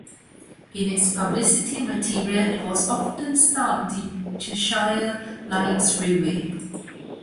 In its publicity material it was often styled the Cheshire Lines Railway.